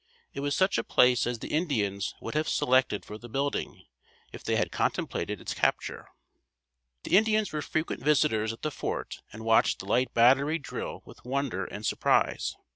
It was such a place as the Indians would have selected for the building, if they had contemplated its capture. The Indians were frequent visitors at the fort and watched the Light Battery drill with wonder and surprise.